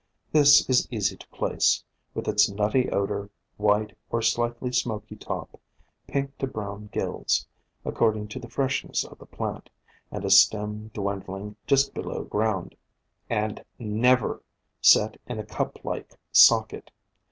This is easy to place, with its nutty odor, white or slightly smoky top; pink to brown gills, according to the freshness of the plant, and a stem dwindling just below ground, and NEVER set in a cup like socket.